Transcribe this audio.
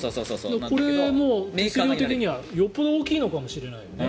これも手数料的にはよっぽど大きいのかもしれないね。